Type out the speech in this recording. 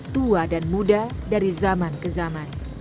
tua dan muda dari zaman ke zaman